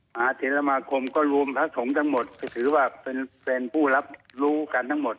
หาเถระมาคมก็รวมพระสงฆ์ทั้งหมดก็ถือว่าเป็นผู้รับรู้กันทั้งหมด